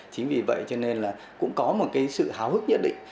chính vì vậy cho nên là cũng có một cái sự hào hức nhất định